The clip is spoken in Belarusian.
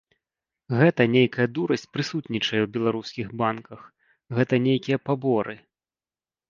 Гэта нейкая дурасць прысутнічае ў беларускіх банках, гэта нейкія паборы!